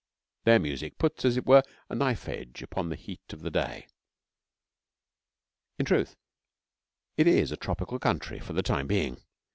Their music puts, as it were, a knife edge upon the heat of the day. In truth, it is a tropical country for the time being.